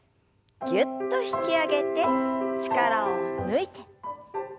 ぎゅっと引き上げて力を抜いて。